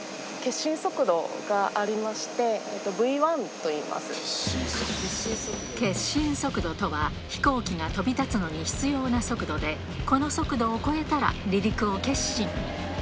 決心速度がありまして、決心速度とは、飛行機が飛び立つのに必要な速度で、この速度を超えたら離陸を決心。